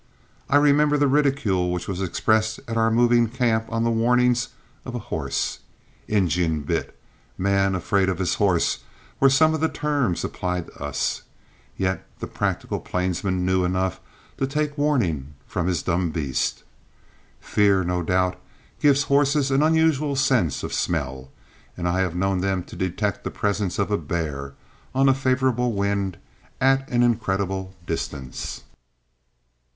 I remember the ridicule which was expressed at our moving camp on the warnings of a horse. "Injun bit," "Man afraid of his horses," were some of the terms applied to us, yet the practical plainsman knew enough to take warning from his dumb beast. Fear, no doubt, gives horses an unusual sense of smell, and I have known them to detect the presence of a bear, on a favorable wind, at an incredible distance.